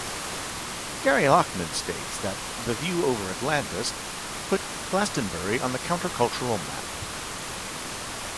Gary Lachman states that "The View Over Atlantis" "put Glastonbury on the countercultural map.